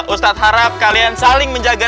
ustadz harap kalian saling menjaga